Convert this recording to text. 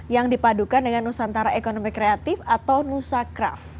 yang dipadukan dengan nusantara ekonomi kreatif atau nusacraft